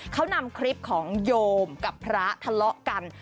เขานำคลิปของโยมกับพระทะเลาะกัน